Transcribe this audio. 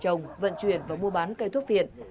trồng vận chuyển và mua bán cây thuốc viện